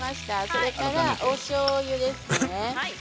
それから、おしょうゆですね。